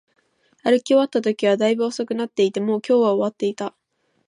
歩き終わったときは、大分遅くなっていて、もう今日は終わっていた